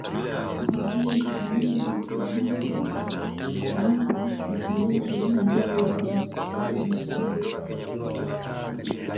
Uhakiki ulifanyika mwezi Machi mwaka elfu mbili ishirini na mbili uliiweka Tanzania katika nafasi nzuri zaidi kuwa mwenyeji wa taasisi hiyo ikipewa asilimia themanini na sita .